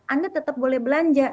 anda tetap boleh belanja